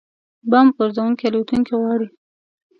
بمب غورځوونکې الوتکې غواړي